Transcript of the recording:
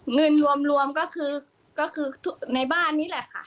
เงินรวมก็คือในบ้านนี่แหละค่ะ